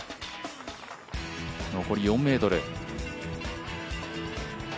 残り４ｍ。